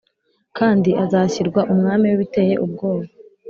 kandi azashyirwa umwami w’ibiteye ubwoba